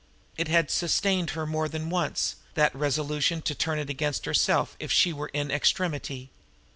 It had sustained her more than once, that resolution to turn it against herself if she were in extremity.